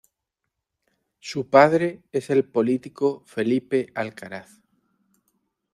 Su padre es el político Felipe Alcaraz.